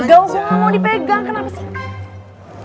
gue gak mau dipegang kenapa sih